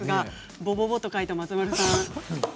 ぼぼぼと書いた松丸さん。